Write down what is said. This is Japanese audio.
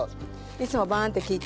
いつもバーンって切って。